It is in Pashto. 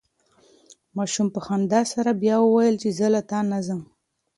ماشوم په خندا سره بیا وویل چې زه له تا نه ځم.